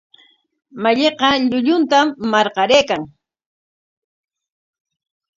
Malliqa llulluntam marqaraykan.